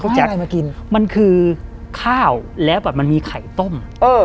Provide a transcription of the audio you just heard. เขาให้อะไรมากินมันคือข้าวแล้วแบบมันมีไข่ต้มเออ